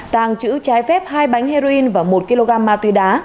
tàng chữ trái phép hai bánh heroin và một kg ma tuy đá